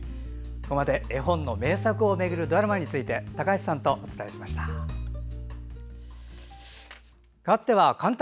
ここまで絵本の名作を巡るドラマについて高橋さんとお伝えしました。